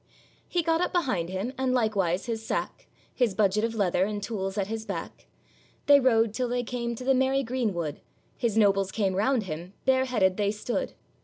He got up behind him and likewise his sack, His budget of leather, and tools at his back; They rode till they came to the merry greenwood, His nobles came round him, bareheaded they stood.